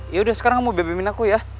yaudah sekarang kamu bbmin aku ya